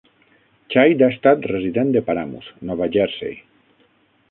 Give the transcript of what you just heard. Chait ha estat resident de Paramus, Nova Jersey.